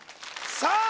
さあ